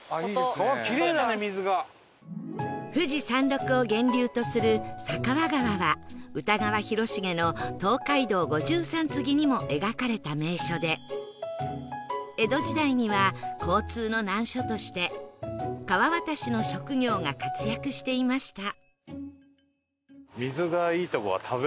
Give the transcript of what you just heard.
富士山麓を源流とする酒匂川は歌川広重の『東海道五十三次』にも描かれた名所で江戸時代には交通の難所として川渡しの職業が活躍していました